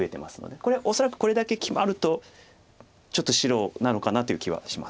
これ恐らくこれだけ決まるとちょっと白なのかなという気はします。